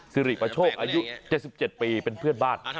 สิริประโชคอายุเจ็ดสิบเจ็ดปีเป็นเพื่อนบ้าน